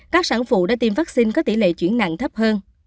các sản phụ đã tiêm vaccine có tỷ lệ chuyển nặng thấp hơn